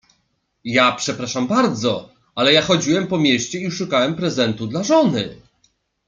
Ja, przepraszam bardzo, ale ja chodziłem po mieście i szukałem prezentu dla żony.